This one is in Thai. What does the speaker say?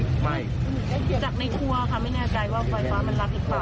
จากในครัวค่ะไม่แน่ใจว่าไฟฟ้ามันรัดหรือเปล่า